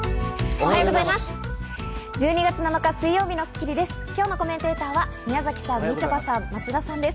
おはようございます。